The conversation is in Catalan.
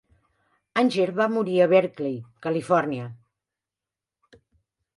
Anger va morir a Berkeley, Califòrnia.